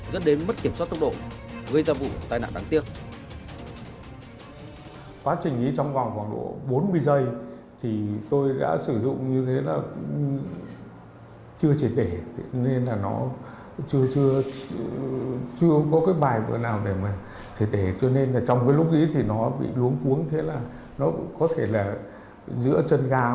rất đến mất kiểm soát tốc độ gây ra vụ tai nạn đáng tiếc